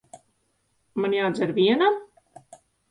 Man jādzer vienam?